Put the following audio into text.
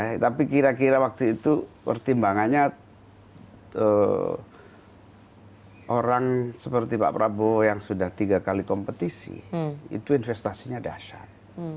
ya tapi kira kira waktu itu pertimbangannya orang seperti pak prabowo yang sudah tiga kali kompetisi itu investasinya dasyat